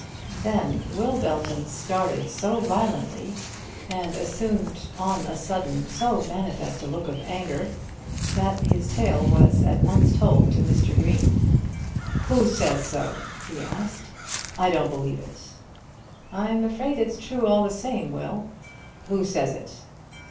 Then Will Belton started so violently, and assumed on a sudden so manifest a look of anger, that his tale was at once told to Mr. Green. "Who says so?" he asked. "I don't believe it." "I'm afraid it's true all the same, Will." "Who says it?"